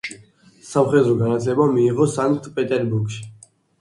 სამხედრო განათლება მიიღო სანქტ-პეტერბურგში.